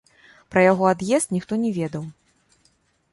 Пра яго ад'езд ніхто не ведаў.